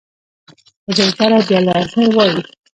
حذيفه رضي الله عنه وايي: